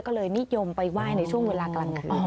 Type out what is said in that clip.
ก็เลยนิยมไปไหว้ในช่วงเวลากลางคืน